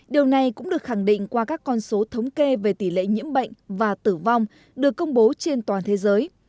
điều này cũng được khẳng định qua các con số thống kê về tỷ lệ nhiễm bệnh và tử vong được công bố trên toàn thế giới